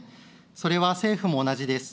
それは政府も同じです。